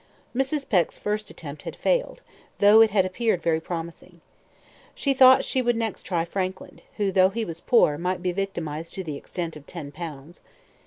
Mrs. Peck's first attempt had failed, though it had appeared very promising. She thought she would next try Frankland, who, though he was poor, might be victimized to the extent of ten pounds.